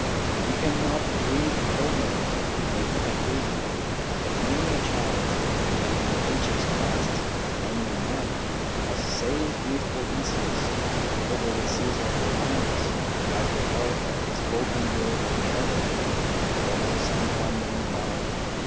You cannot read Homer before you can read ; but many a child, and in ages past many a man, has sailed with Odysseus over the seas of Romance by the help of the spoken word of a mother, or of some wandering bard.